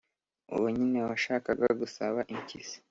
uwo nyine washakaga gusaba impyisi.